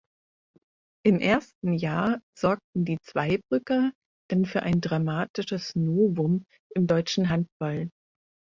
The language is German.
Im ersten Jahr sorgten die Zweibrücker dann für ein dramatisches Novum im deutschen Handball.